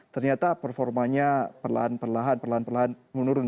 ternyata performanya perlahan perlahan perlahan perlahan menurun